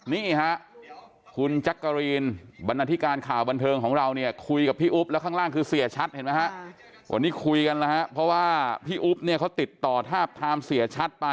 นี่ฮะคุณจักรีนบรรณาธิการข่าวบันเทิงของเราเนี่ย